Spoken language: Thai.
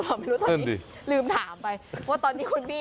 หยุดมาลืมถามไปว่าตอนนี้คุณคุณพี่